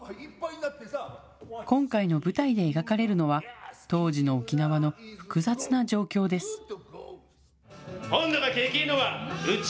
今回の舞台で描かれるのは、当時の沖縄の複雑な状況です。